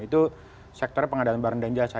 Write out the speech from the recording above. itu sektor pengadaan barang dan jasa